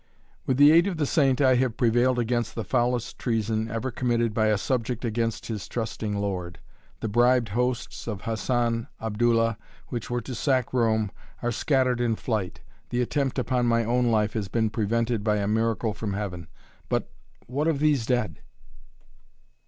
"With the aid of the saint I have prevailed against the foulest treason ever committed by a subject against his trusting lord. The bribed hosts of Hassan Abdullah, which were to sack Rome, are scattered in flight. The attempt upon my own life has been prevented by a miracle from Heaven. But what of these dead?"